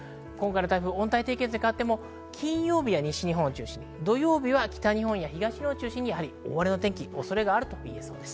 温帯低気圧に変わっても金曜日は西日本、土曜日は北日本や東日本を中心に大荒れの天気がありそうです。